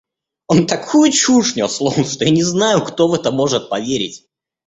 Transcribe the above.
Он такую чушь нёс, лол, что я не знаю, кто в это может поверить.